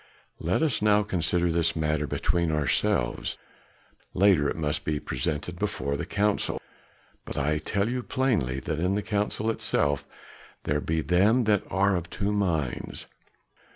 "Let us now consider this matter between ourselves; later it must be presented before the council, but I tell you plainly that in the council itself there be them that are of two minds.